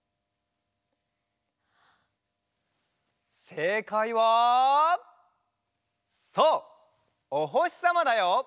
せいかいはそう「おほしさま」だよ。